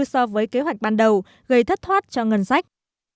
so với kế hoạch ban đầu gây thất thoát cho ngân sách